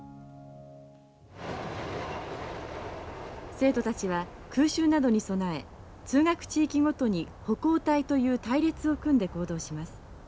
生徒たちは空襲などに備え通学地域ごとに歩行隊という隊列を組んで行動します。